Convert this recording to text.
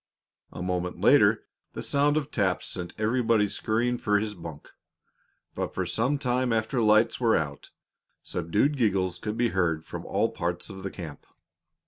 A moment later the sound of taps sent everybody scurrying for his bunk; but for some time after lights were out subdued giggles could be heard from all parts of the camp.